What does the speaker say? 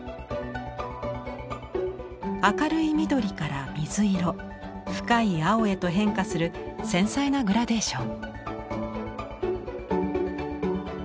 明るい緑から水色深い青へと変化する繊細なグラデーション。